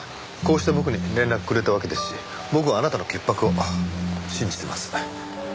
こうして僕に連絡くれたわけですし僕はあなたの潔白を信じてます。